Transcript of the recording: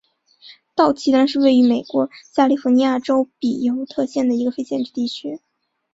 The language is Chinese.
道奇兰是位于美国加利福尼亚州比尤特县的一个非建制地区。